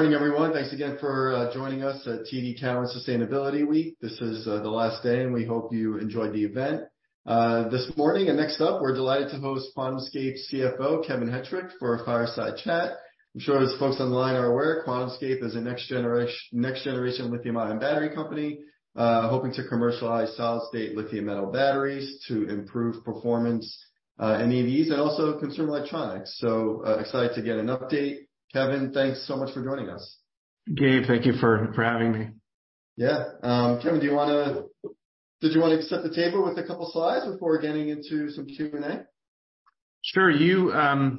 Morning, everyone. Thanks again for joining us at TD Cowen Sustainability Week. This is the last day, and we hope you enjoyed the event. This morning, and next up, we're delighted to host QuantumScape's CFO, Kevin Hettrich, for a fireside chat. I'm sure as folks online are aware, QuantumScape is a next generation lithium-ion battery company, hoping to commercialize solid-state lithium-metal batteries to improve performance in EVs and also consumer electronics. Excited to get an update. Kevin, thanks so much for joining us. Gabe, thank you for having me. Yeah. Kevin, did you wanna set the table with a couple slides before getting into some Q&A? Sure. You, I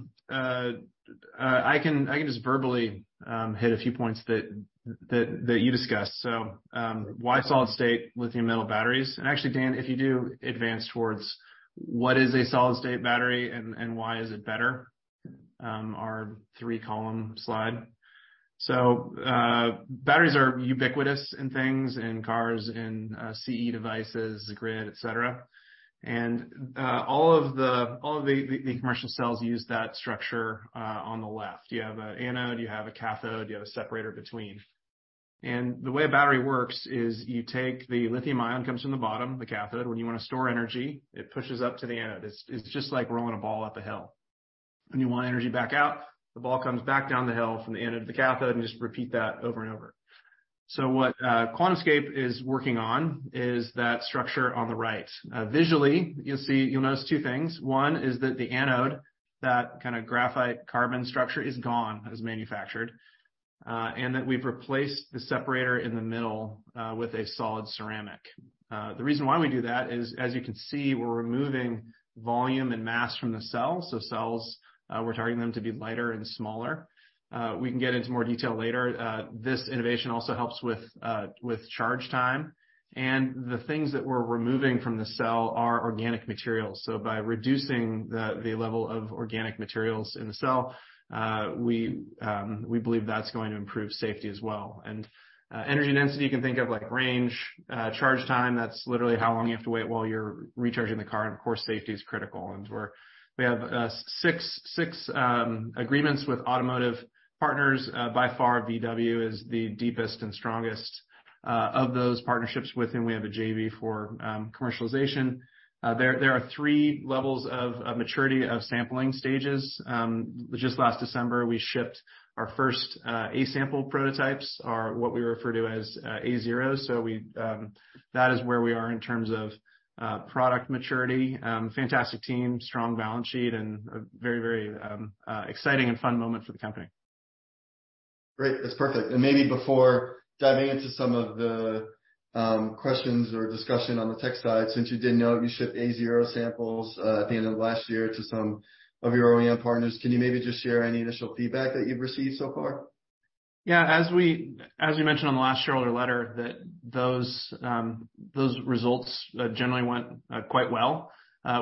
can just verbally hit a few points that you discussed. Why solid-state lithium-metal batteries? Actually, Dan, if you do advance towards what is a solid-state battery and why is it better, our three-column slide. Batteries are ubiquitous in things, in cars, in CE devices, grid, et cetera. All of the commercial cells use that structure on the left. You have an anode, you have a cathode, you have a separator between. The way a battery works is you take the lithium-ion, comes from the bottom, the cathode. When you want to store energy, it pushes up to the anode. It's just like rolling a ball up a hill. When you want energy back out, the ball comes back down the hill from the anode to the cathode, and just repeat that over and over. What QuantumScape is working on is that structure on the right. Visually, you'll notice two things. One is that the anode, that kind of graphite carbon structure, is gone, as manufactured, and that we've replaced the separator in the middle, with a solid ceramic. The reason why we do that is, as you can see, we're removing volume and mass from the cell. Cells, we're targeting them to be lighter and smaller. We can get into more detail later. This innovation also helps with charge time, and the things that we're removing from the cell are organic materials. By reducing the level of organic materials in the cell, we believe that's going to improve safety as well. Energy density, you can think of like range, charge time. That's literally how long you have to wait while you're recharging the car, and of course, safety is critical. We have six agreements with automotive partners. By far, VW is the deepest and strongest of those partnerships, with whom we have a JV for commercialization. There are three levels of maturity, of sampling stages. Just last December, we shipped our first A-sample prototypes, or what we refer to as A0. That is where we are in terms of product maturity. fantastic team, strong balance sheet, and a very, very, exciting and fun moment for the company. Great. That's perfect. Maybe before diving into some of the questions or discussion on the tech side, since you did note you shipped A0 samples at the end of last year to some of your OEM partners, can you maybe just share any initial feedback that you've received so far? As we mentioned on the last shareholder letter, that those results, generally went quite well.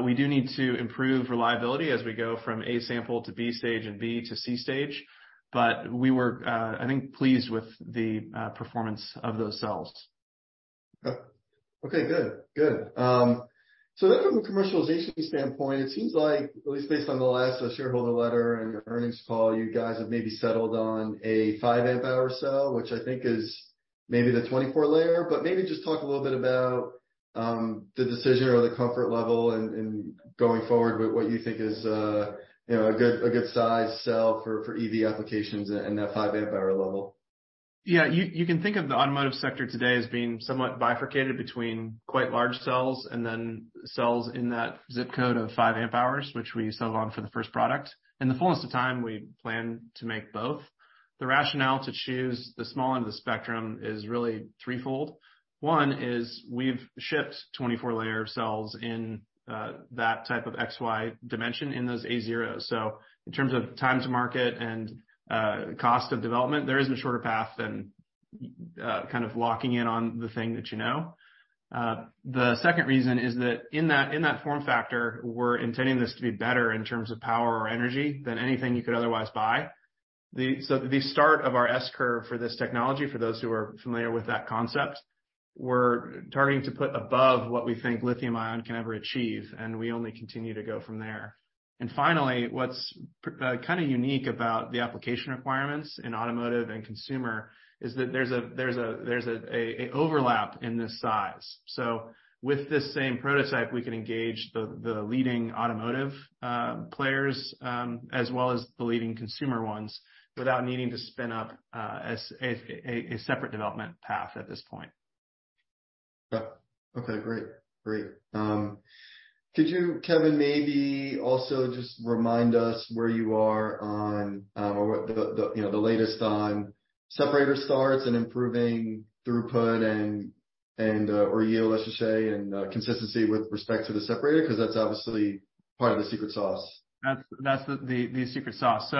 We do need to improve reliability as we go from A-sample to B stage and B to C stage, but we were, I think, pleased with the performance of those cells. Okay, good. Good. From a commercialization standpoint, it seems like, at least based on the last shareholder letter and your earnings call, you guys have maybe settled on a 5 Ah cell, which I think is maybe the 24-layer. Maybe just talk a little bit about the decision or the comfort level and going forward with what you think is, you know, a good size cell for EV applications and that 5 Ah level. Yeah, you can think of the automotive sector today as being somewhat bifurcated between quite large cells and then cells in that zip code of 5 Ah, which we settled on for the first product. In the fullness of time, we plan to make both. The rationale to choose the small end of the spectrum is really threefold. One is we've shipped 24-layer cells in that type of XY dimension in those A0s. In terms of time to market and cost of development, there is a shorter path than kind of locking in on the thing that you know. The second reason is that in that form factor, we're intending this to be better in terms of power or energy than anything you could otherwise buy. The start of our S-curve for this technology, for those who are familiar with that concept, we're targeting to put above what we think lithium-ion can ever achieve, and we only continue to go from there. Finally, what's kind of unique about the application requirements in automotive and consumer is that there's an overlap in this size. With this same prototype, we can engage the leading automotive players, as well as the leading consumer ones, without needing to spin up a separate development path at this point. Yeah. Okay, great. Great. Could you, Kevin, maybe also just remind us where you are on, or what the, you know, the latest on separator starts and improving throughput and, or yield, I should say, and consistency with respect to the separator? Because that's obviously part of the secret sauce. That's the secret sauce.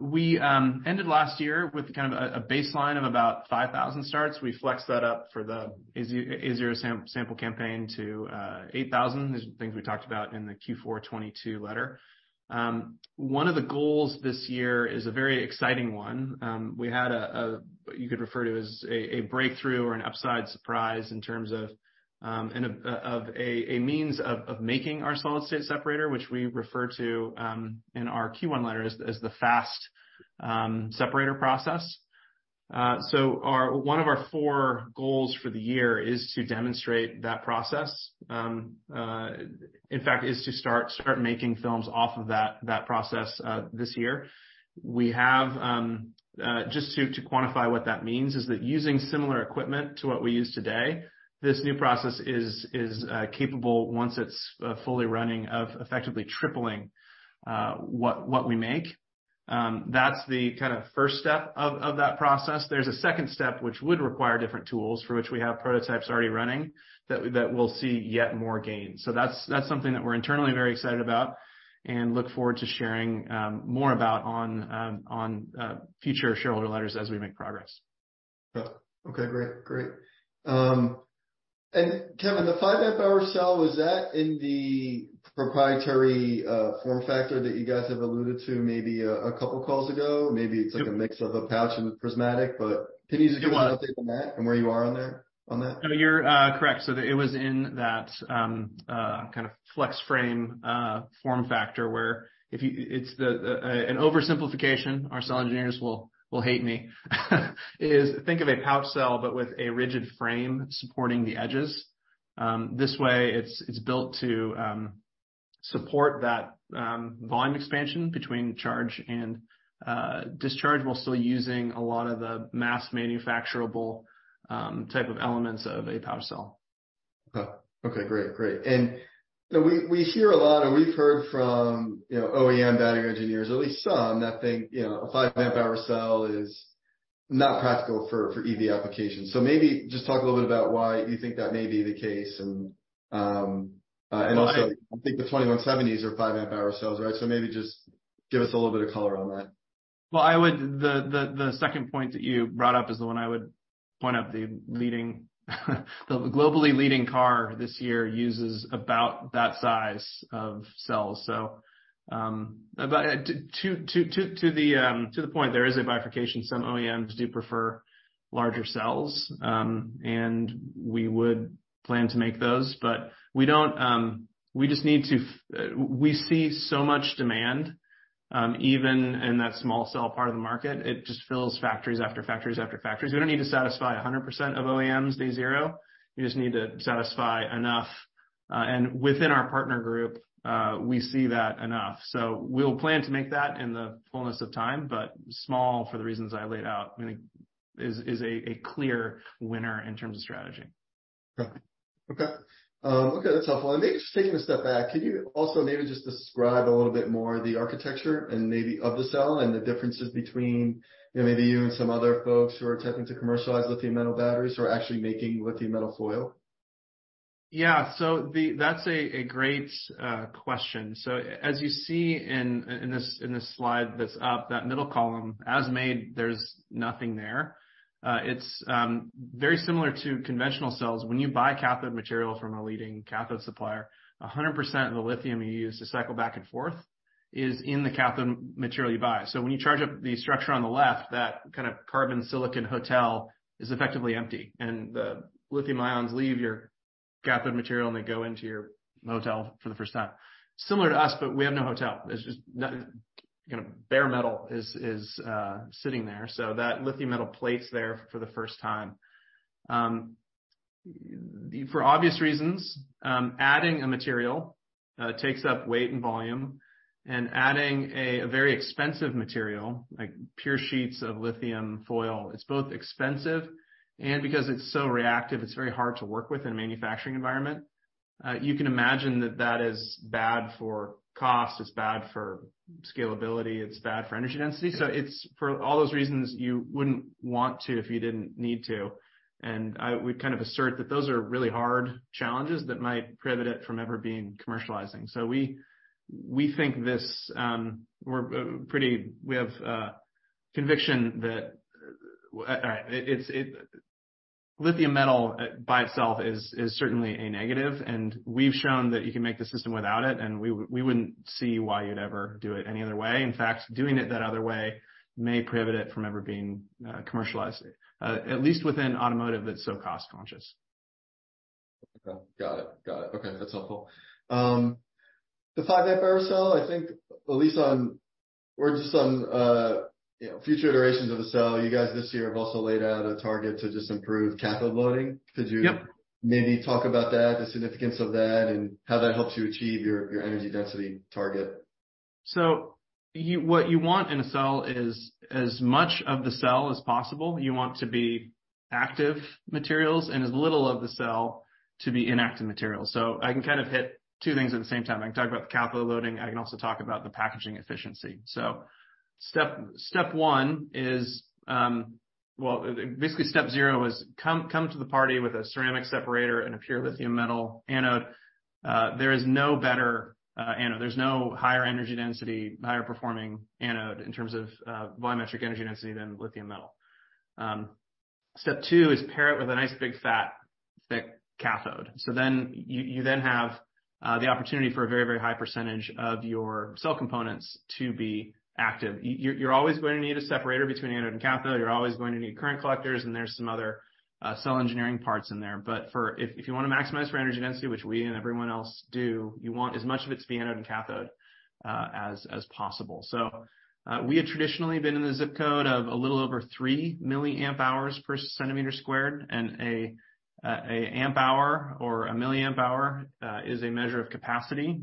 We ended last year with kind of a baseline of about 5,000 starts. We flexed that up for the A0 sample campaign to 8,000. These are things we talked about in the Q4 2022 letter. One of the goals this year is a very exciting one. We had what you could refer to as a breakthrough or an upside surprise in terms of a means of making our solid-state separator, which we refer to in our Q1 letter as the fast separator process. Our, one of our four goals for the year is to demonstrate that process. In fact, is to start making films off of that process this year. We have, just to quantify what that means, is that using similar equipment to what we use today, this new process is capable, once it's fully running, of effectively tripling what we make. That's the kind of first step of that process. There's a second step, which would require different tools for which we have prototypes already running, that we'll see yet more gains. That's something that we're internally very excited about, and look forward to sharing more about on future shareholder letters as we make progress. Okay, great. Great. Kevin, the 5 Ah cell, was that in the proprietary form factor that you guys have alluded to maybe a couple of calls ago? Maybe it's like a mix of a pouch and prismatic, but can you just give us an update on that and where you are on that? No, you're correct. It was in that kind of FlexFrame form factor, where it's the an oversimplification, our cell engineers will hate me. Is think of a pouch cell, but with a rigid frame supporting the edges. This way, it's built to support that volume expansion between charge and discharge, while still using a lot of the mass manufacturable type of elements of a pouch cell. Okay, great. Great. We hear a lot, and we've heard from, you know, OEM battery engineers, at least some, that think, you know, a 5 Ah cell is not practical for EV applications. Maybe just talk a little bit about why you think that may be the case, and also, I think the 21700s are 5 Ah cells, right? Maybe just give us a little bit of color on that. Well, the second point that you brought up is the one I would point out, the leading, the globally leading car this year uses about that size of cells. To the point, there is a bifurcation. Some OEMs do prefer larger cells, and we would plan to make those, but we don't. We see so much demand, even in that small cell part of the market, it just fills factories after factories after factories. We don't need to satisfy 100% of OEMs day zero. We just need to satisfy enough, and within our partner group, we see that enough. We'll plan to make that in the fullness of time, but small, for the reasons I laid out, I think, is a clear winner in terms of strategy. Okay. Okay, that's helpful. Maybe just taking a step back, can you also maybe just describe a little bit more the architecture and maybe of the cell and the differences between, you know, maybe you and some other folks who are attempting to commercialize lithium-metal batteries or actually making lithium metal foil? That's a great question. As you see in this slide that's up, that middle column, as made, there's nothing there. It's very similar to conventional cells. When you buy cathode material from a leading cathode supplier, 100% of the lithium you use to cycle back and forth is in the cathode material you buy. When you charge up the structure on the left, that kind of carbon silicon hotel is effectively empty, and the lithium ions leave your cathode material, and they go into your hotel for the first time. Similar to us, but we have no hotel. There's just no, you know, bare metal is sitting there, so that lithium metal plate's there for the first time. For obvious reasons, adding a material takes up weight and volume. Adding a very expensive material, like pure sheets of lithium foil, it's both expensive and because it's so reactive, it's very hard to work with in a manufacturing environment. You can imagine that that is bad for cost, it's bad for scalability, it's bad for energy density. It's for all those reasons you wouldn't want to if you didn't need to. We kind of assert that those are really hard challenges that might prohibit it from ever being commercializing. We think this. we have conviction that lithium metal by itself is certainly a negative, and we've shown that you can make the system without it, and we wouldn't see why you'd ever do it any other way. In fact, doing it that other way may prohibit it from ever being commercialized at least within automotive, that's so cost conscious. Okay. Got it. Got it. Okay, that's helpful. The 5 Ah cell, I think just on, you know, future iterations of the cell, you guys this year have also laid out a target to just improve cathode loading. Yep. Could you maybe talk about that, the significance of that, and how that helps you achieve your energy density target? What you want in a cell is, as much of the cell as possible, you want to be active materials and as little of the cell to be inactive materials. I can kind of hit two things at the same time. I can talk about the cathode loading, I can also talk about the packaging efficiency. Step one is, well, basically, step zero is come to the party with a ceramic separator and a pure lithium-metal anode. There is no better anode. There's no higher energy density, higher performing anode in terms of volumetric energy density than lithium metal. Step two is pair it with a nice, big, fat, thick cathode. You then have the opportunity for a very, very high percentage of your cell components to be active. You're always going to need a separator between anode and cathode. You're always going to need current collectors, and there's some other cell engineering parts in there. If you want to maximize for energy density, which we and everyone else do, you want as much of it to be anode and cathode as possible. We had traditionally been in the zip code of a little over 3 mAh per centimeter squared, and an amp hour or a milliamp hour is a measure of capacity.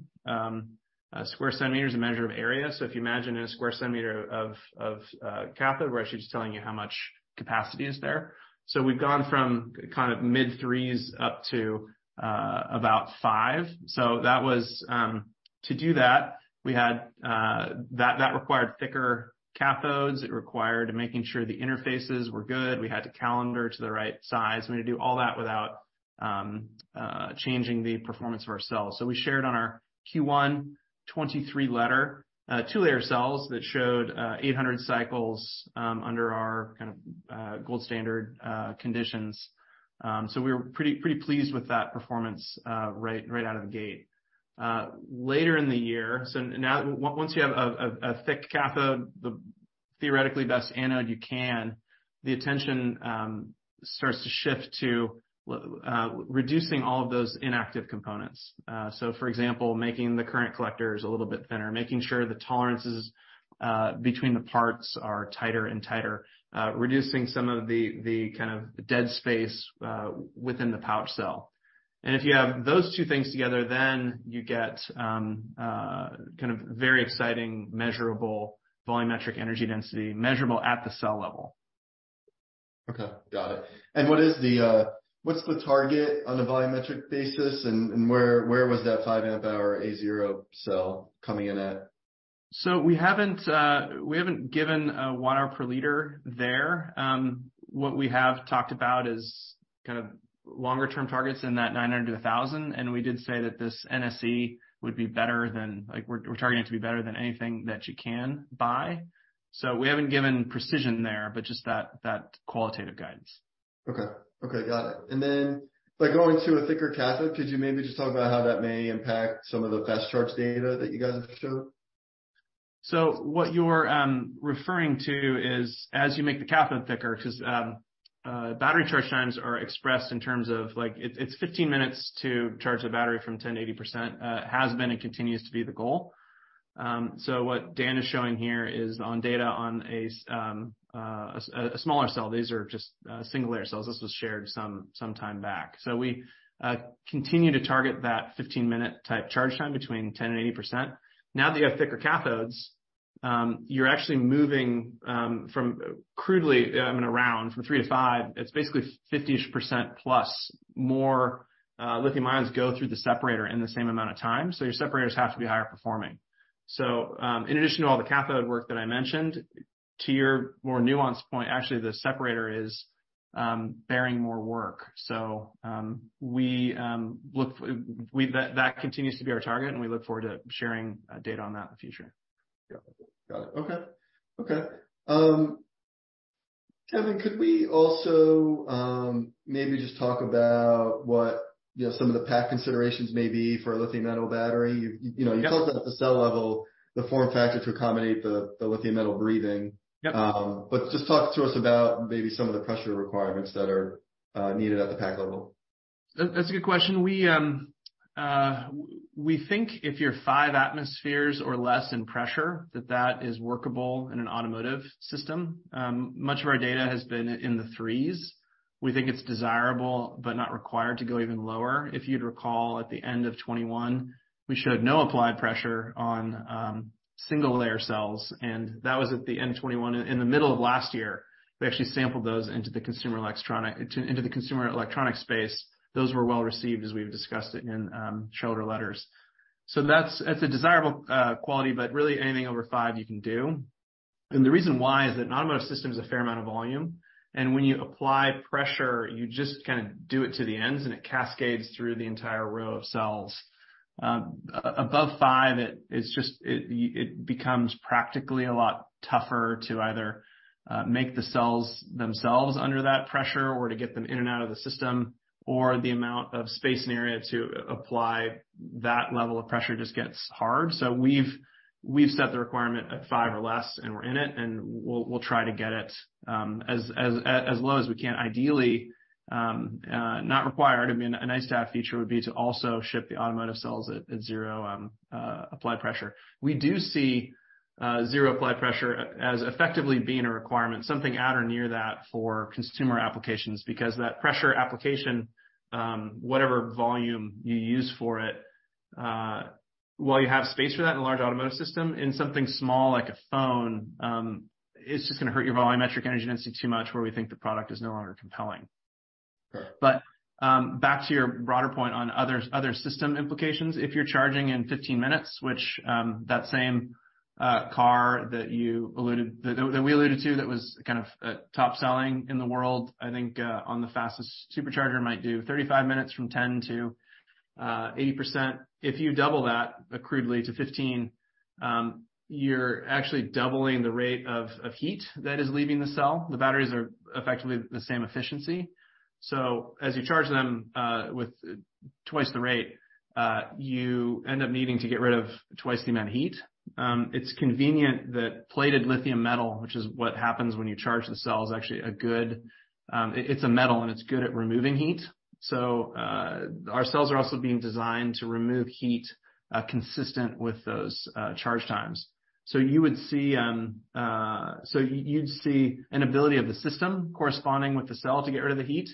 A square centimeter is a measure of area. If you imagine in a square centimeter of cathode, we're actually just telling you how much capacity is there. We've gone from kind of mid-threes up to about five. That was to do that required thicker cathodes. It required making sure the interfaces were good. We had to calender to the right size. We had to do all that without changing the performance of our cells. We shared on our Q1 2023 letter, two-layer cells that showed 800 cycles under our kind of gold standard conditions. We were pretty pleased with that performance right out of the gate. Later in the year once you have a thick cathode, the theoretically best anode you can, the attention starts to shift to reducing all of those inactive components. For example, making the current collectors a little bit thinner, making sure the tolerances between the parts are tighter and tighter, reducing some of the kind of dead space within the pouch cell. If you have those two things together, then you get kind of very exciting, measurable volumetric energy density, measurable at the cell level. Okay, got it. What's the target on a volumetric basis, and where was that 5 Ah A0 cell coming in at? We haven't given a watt hour per liter there. What we have talked about is kind of longer term targets in that 900 to 1,000, and we did say that this NSE would be like, we're targeting it to be better than anything that you can buy. We haven't given precision there, but just that qualitative guidance. Okay, got it. By going to a thicker cathode, could you maybe just talk about how that may impact some of the fast charge data that you guys have showed? What you're referring to is as you make the cathode thicker, 'cause battery charge times are expressed in terms of, like, it's 15 minutes to charge the battery from 10%-80%, has been and continues to be the goal. What Dan is showing here is on data on a smaller cell. These are just single-layer cells. This was shared some time back. We continue to target that 15-minute type charge time between 10% and 80%. Now that you have thicker cathodes, you're actually moving from crudely, I mean, around from three to five, it's basically 50%+ more lithium ions go through the separator in the same amount of time, so your separators have to be higher performing. In addition to all the cathode work that I mentioned, to your more nuanced point, actually, the separator is bearing more work. That continues to be our target, and we look forward to sharing data on that in the future. Yeah. Got it. Okay. Okay. Kevin, could we also, maybe just talk about what, you know, some of the pack considerations may be for a lithium-metal battery? You know? Yep. You talked about the cell level, the form factor to accommodate the lithium-metal breathing. Yep. Just talk to us about maybe some of the pressure requirements that are needed at the pack level. That's a good question. We think if you're 5 ATM or less in pressure, that is workable in an automotive system. Much of our data has been in the threes. We think it's desirable, but not required to go even lower. If you'd recall, at the end of 2021, we showed no applied pressure on single-layer cells, and that was at the end of 2021. In the middle of last year, we actually sampled those into the consumer electronic space. Those were well-received, as we've discussed it in shareholder letters. That's a desirable quality, but really anything over five, you can do. The reason why is that an automotive system is a fair amount of volume, and when you apply pressure, you just kind of do it to the ends, and it cascades through the entire row of cells. Above five, it just becomes practically a lot tougher to either make the cells themselves under that pressure or to get them in and out of the system, or the amount of space and area to apply that level of pressure just gets hard. We've, we've set the requirement at five or less, and we're in it, and we'll try to get it as low as we can. Ideally, not required, I mean, a nice to have feature would be to also ship the automotive cells at zero applied pressure. We do see zero applied pressure as effectively being a requirement, something at or near that for consumer applications, because that pressure application, whatever volume you use for it, while you have space for that in a large automotive system, in something small, like a phone, it's just gonna hurt your volumetric energy density too much, where we think the product is no longer compelling. Sure. Back to your broader point on other system implications. If you're charging in 15 minutes, which that same car that we alluded to, that was kind of top-selling in the world, I think, on the fastest supercharger, might do 35 minutes from 10% to 80%. If you double that, crudely, to 15, you're actually doubling the rate of heat that is leaving the cell. The batteries are effectively the same efficiency. As you charge them with twice the rate, you end up needing to get rid of twice the amount of heat. It's convenient that plated lithium metal, which is what happens when you charge the cell, is actually a good, it's a metal, and it's good at removing heat. Our cells are also being designed to remove heat consistent with those charge times. You would see an ability of the system corresponding with the cell to get rid of the heat.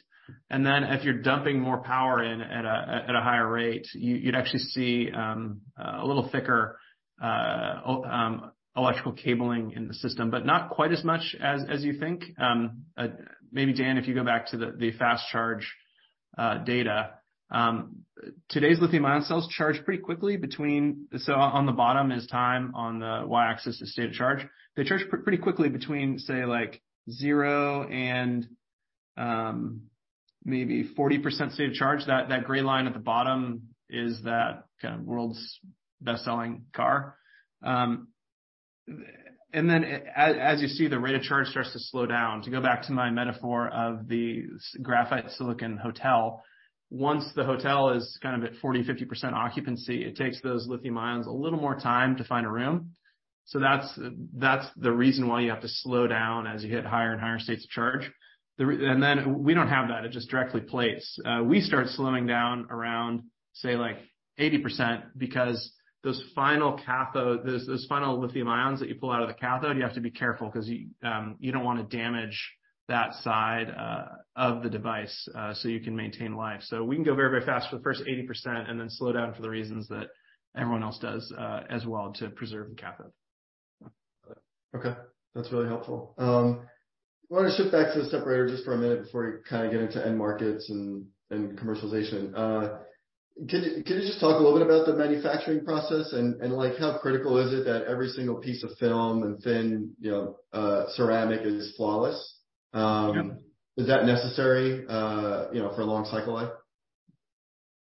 If you're dumping more power in at a higher rate, you'd actually see a little thicker electrical cabling in the system, but not quite as much as you think. Maybe, Dan, if you go back to the fast charge data. Today's lithium-ion cells charge pretty quickly between. On the bottom is time, on the Y-axis is state of charge. They charge pretty quickly between, say, like zero and maybe 40% state of charge. That gray line at the bottom is that kind of world's best-selling car. As you see, the rate of charge starts to slow down. To go back to my metaphor of the graphite silicon hotel, once the hotel is kind of at 40%, 50% occupancy, it takes those lithium ions a little more time to find a room. That's, that's the reason why you have to slow down as you hit higher and higher states of charge. We don't have that. It just directly plays. We start slowing down around, say, like 80%, because those final cathode, those final lithium ions that you pull out of the cathode, you have to be careful 'cause you don't wanna damage that side of the device so you can maintain life. We can go very, very fast for the first 80% and then slow down for the reasons that everyone else does, as well to preserve the cathode. Okay, that's really helpful. I wanna shift back to the separator just for a minute before we kind of get into end markets and commercialization. Could you just talk a little bit about the manufacturing process and, like, how critical is it that every single piece of film and thin, you know, ceramic is flawless? Yeah. Is that necessary, you know, for a long cycle life?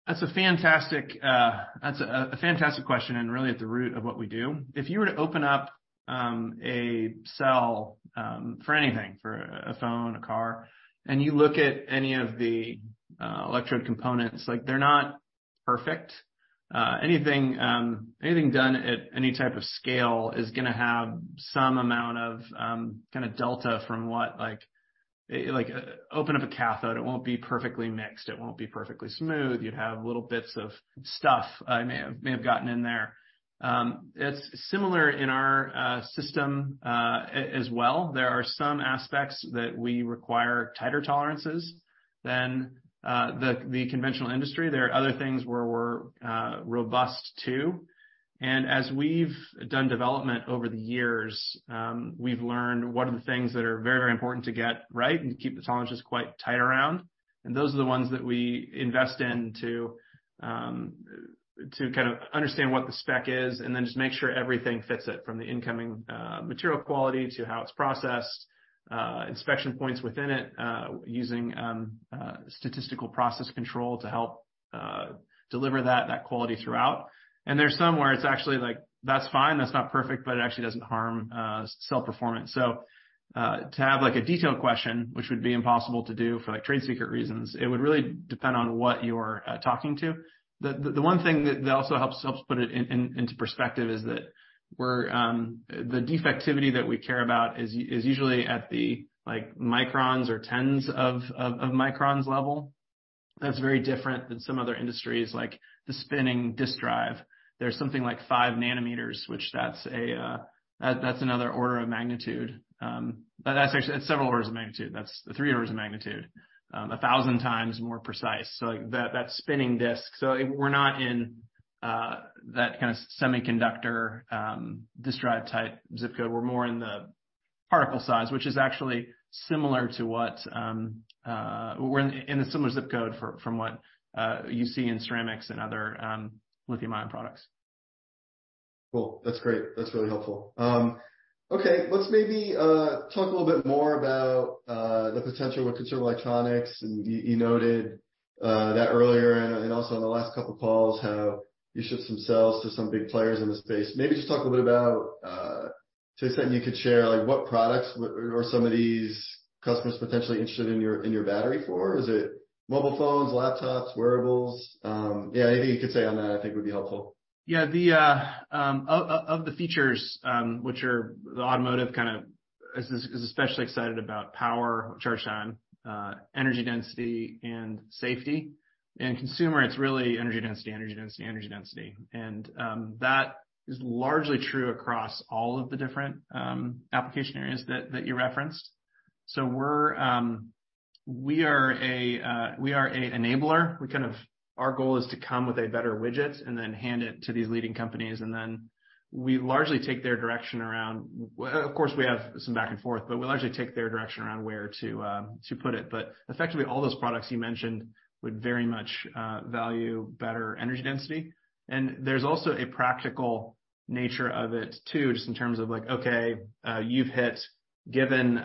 That's a fantastic, that's a fantastic question and really at the root of what we do. If you were to open up a cell for anything, for a phone, a car, and you look at any of the electrode components, like, they're not perfect. Anything, anything done at any type of scale is gonna have some amount of kind of delta from what like. Like, open up a cathode, it won't be perfectly mixed, it won't be perfectly smooth. You'd have little bits of stuff, may have gotten in there. It's similar in our system, as well. There are some aspects that we require tighter tolerances than the conventional industry. There are other things where we're robust, too. As we've done development over the years, we've learned what are the things that are very, very important to get right and keep the tolerances quite tight around. Those are the ones that we invest in to kind of understand what the spec is, and then just make sure everything fits it, from the incoming, material quality to how it's processed, inspection points within it, using, statistical process control to help, deliver that quality throughout. There's some where it's actually like, that's fine, that's not perfect, but it actually doesn't harm, cell performance. To have, like, a detailed question, which would be impossible to do for, like, trade secret reasons, it would really depend on what you're, talking to. The one thing that also helps put it into perspective is that we're the defectivity that we care about is usually at the, like, microns or tens of microns level. That's very different than some other industries, like the spinning disk drive. There's something like 5 nm, which that's another order of magnitude. But that's actually. It's several orders of magnitude. That's three orders of magnitude. 1,000 times more precise, so, like, that spinning disk. We're not in that kind of semiconductor, disk drive type ZIP code. We're more in the particle size, which is actually similar to what. We're in a similar ZIP code from what you see in ceramics and other lithium-ion products. Cool, that's great. That's really helpful. Okay, let's maybe talk a little bit more about the potential with consumer electronics. You, you noted that earlier and also on the last couple of calls, how you shipped some cells to some big players in the space. Maybe just talk a little bit about to the extent you could share, like, what products or some of these customers potentially interested in your, in your battery for? Is it mobile phones, laptops, wearables? Yeah, anything you could say on that I think would be helpful. Yeah, the features which are the automotive kind of is especially excited about power, charge time, energy density, and safety. In consumer, it's really energy density, energy density, energy density, and that is largely true across all of the different application areas that you referenced. We're. We are a enabler. Our goal is to come with a better widget and then hand it to these leading companies, and then we largely take their direction around. Well, of course, we have some back and forth, but we largely take their direction around where to put it. Effectively, all those products you mentioned would very much value better energy density. There's also a practical nature of it, too, just in terms of like: Okay, you've hit, given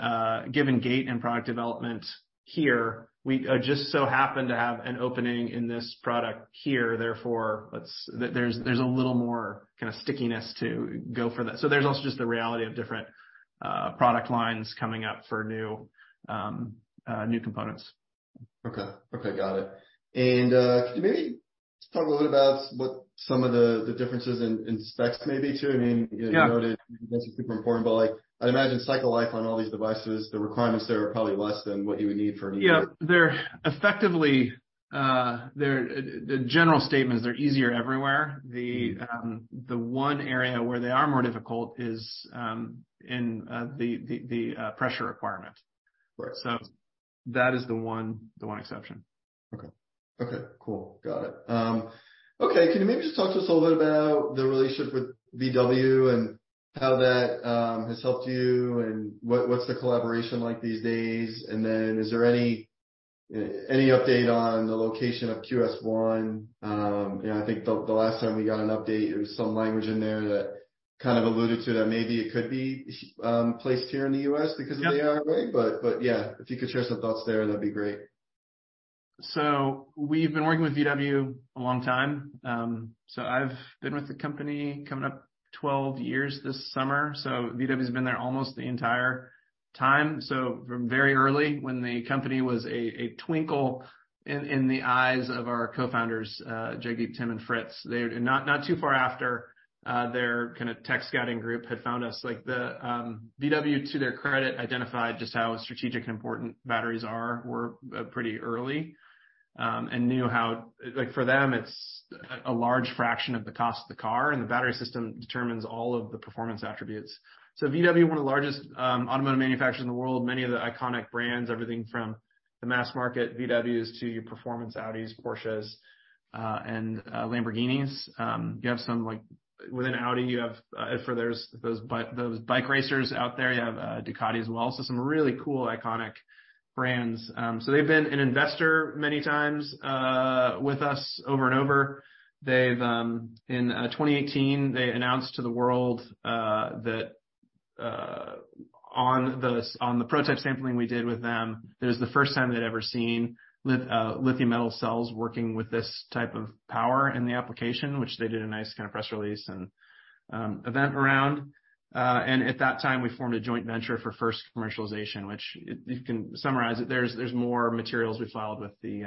gate and product development here, we just so happen to have an opening in this product here. Therefore, let's... There's a little more kind of stickiness to go for that. There's also just the reality of different product lines coming up for new components. Okay. Okay, got it. Could you maybe just talk a little bit about what some of the differences in specs may be, too? I mean. Yeah. You noted that's super important, but, like, I'd imagine cycle life on all these devices, the requirements there are probably less than what you would need for a new-. Yeah, they're effectively, the general statement is they're easier everywhere. Mm-hmm. The one area where they are more difficult is in the pressure requirement. Right. That is the one exception. Okay. Okay, cool. Got it. Okay, can you maybe just talk to us a little bit about the relationship with VW and how that has helped you, and what's the collaboration like these days? Is there any update on the location of QS-1? Yeah, I think the last time we got an update, there was some language in there that kind of alluded to that maybe it could be placed here in the U.S. because... Yeah -of the IRA. Yeah, if you could share some thoughts there, that'd be great. We've been working with VW a long time. I've been with the company coming up 12 years this summer, VW has been there almost the entire time. From very early, when the company was a twinkle in the eyes of our Co-founders, Jagdeep, Tim, and Fritz. Not too far after their kind of tech scouting group had found us, the VW, to their credit, identified just how strategic and important batteries are, were pretty early. For them, it's a large fraction of the cost of the car, the battery system determines all of the performance attributes. VW, one of the largest automotive manufacturers in the world, many of the iconic brands, everything from the mass market VWs to your performance Audis, Porsches, and Lamborghinis. You have some like within Audi, you have for those bike racers out there, you have Ducati as well, so some really cool, iconic brands. They've been an investor many times with us over and over. They've in 2018, they announced to the world that on the prototype sampling we did with them, it was the first time they'd ever seen lithium-metal cells working with this type of power in the application, which they did a nice kind of press release and event around. At that time, we formed a joint venture for first commercialization, which you can summarize it. There's more materials we filed with the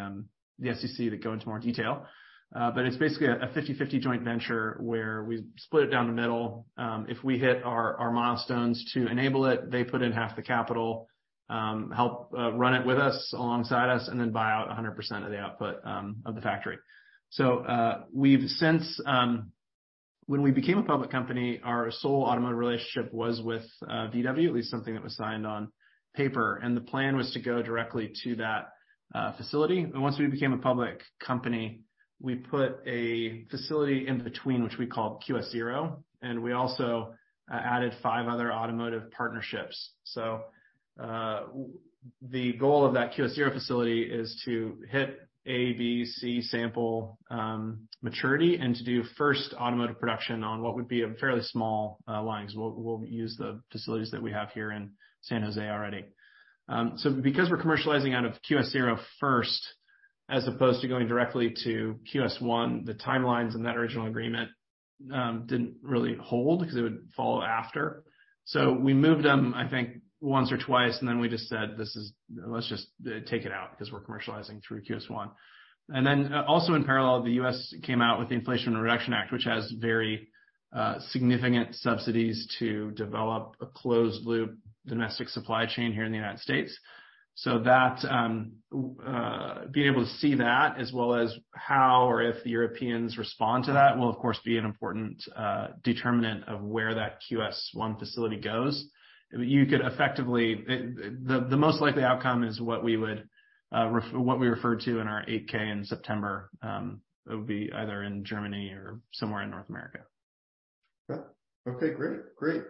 SEC that go into more detail, but it's basically a 50/50 joint venture where we split it down the middle. If we hit our milestones to enable it, they put in half the capital, help run it with us alongside us, and then buy out 100% of the output of the factory. We've since. When we became a public company, our sole automotive relationship was with VW, at least something that was signed on paper, and the plan was to go directly to that facility. Once we became a public company, we put a facility in between, which we called QS-0, and we also added five other automotive partnerships. The goal of that QS-0 facility is to hit A, B, C sample maturity and to do first automotive production on what would be a fairly small lines. We'll use the facilities that we have here in San Jose already. Because we're commercializing out of QS-0 first, as opposed to going directly to QS-1, the timelines in that original agreement didn't really hold because it would follow after. We moved them, I think, once or twice, and then we just said, "Let's just take it out because we're commercializing through QS-1." Also in parallel, the U.S. came out with the Inflation Reduction Act, which has very significant subsidies to develop a closed loop domestic supply chain here in the United States. That, being able to see that, as well as how or if the Europeans respond to that, will, of course, be an important determinant of where that QS-1 facility goes. The most likely outcome is what we referred to in our 8-K in September. It would be either in Germany or somewhere in North America. Okay, great. Great.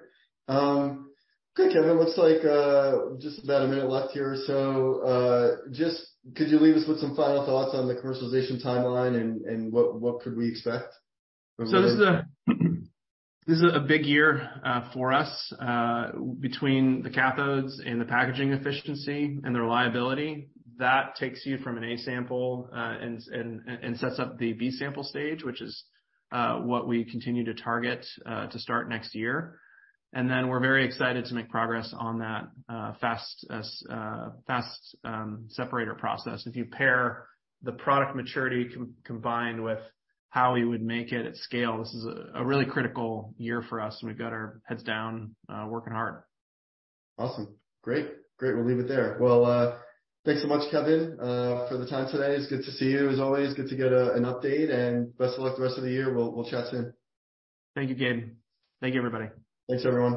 Okay, Kevin, looks like, just about a minute left here or so. Just could you leave us with some final thoughts on the commercialization timeline and what could we expect from there? This is a, this is a big year for us between the cathodes and the packaging efficiency and the reliability. That takes you from an A-sample, and sets up the B-sample stage, which is what we continue to target to start next year. We're very excited to make progress on that fast separator process. If you pair the product maturity combined with how we would make it at scale, this is a really critical year for us, and we've got our heads down working hard. Awesome. Great. We'll leave it there. Well, thanks so much, Kevin, for the time today. It's good to see you, as always. Good to get an update and best of luck the rest of the year. We'll chat soon. Thank you, Gabe. Thank you, everybody. Thanks, everyone.